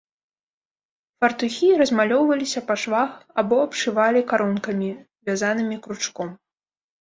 Фартухі размалёўваліся па швах або абшывалі карункамі, вязанымі кручком.